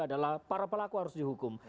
adalah para pelaku harus dihukum